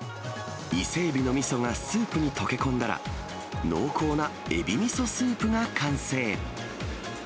伊勢エビのみそがスープに溶け込んだら、濃厚なエビみそスープが完成。